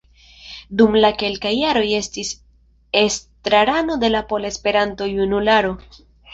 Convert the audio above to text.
Li dum kelkaj jaroj estis estrarano de la Pola Esperanto-Junularo.